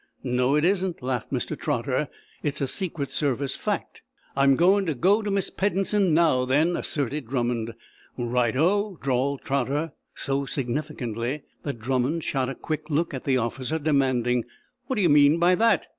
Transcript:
"No it isn't," laughed Mr. Trotter. "It's a Secret Service fact." "I'm going to go to Miss Peddensen, now, then," asserted Drummond. "Right o," drawled Trotter, so significantly that Drummond shot a quick look at the officer, demanding: "What d'ye mean by that?"